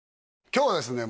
今日はですね